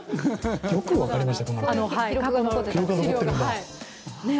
よく分かりましたね。